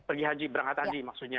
pergi haji berangkat haji maksudnya